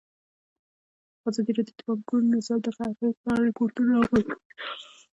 ازادي راډیو د بانکي نظام د اغېزو په اړه ریپوټونه راغونډ کړي.